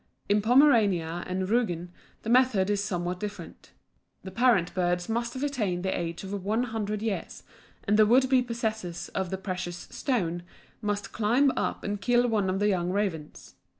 In Pomerania and Rügen the method is somewhat different. The parent birds must have attained the age of one hundred years, and the would be possessor of the precious "stone" must climb up and kill one of the young ravens.